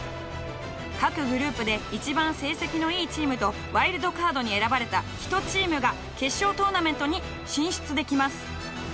各グループで一番成績のいいチームとワイルドカードに選ばれた１チームが決勝トーナメントに進出できます。